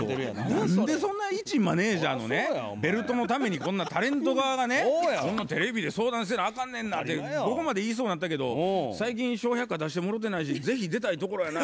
「何でそんないちマネージャーのねベルトのためにこんなタレント側がねこんなテレビで相談せなあかんねんな」ってここまで言いそうになったけど「最近『笑百科』出してもろてないし是非出たいところやな」